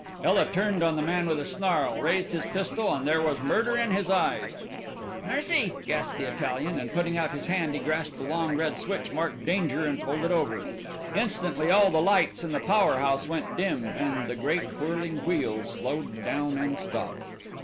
Ela turned on the man with a snarl, raised his pistol and there was murder in his eyes. "Mercy!" gasped the Italian, and putting out his hand he grasped a long red switch marked 'Danger' and pulled it over. Instantly all the lights in the power house went dim, and the great whirling wheels slowed down and stopped.